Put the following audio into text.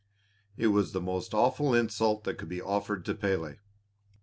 It was the most awful insult that could be offered to Pélé!